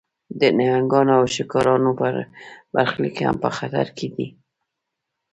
د نهنګانو او شارکانو برخلیک هم په خطر کې دی.